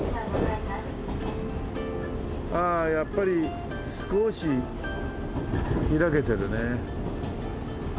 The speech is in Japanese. ああやっぱり少し開けてるね。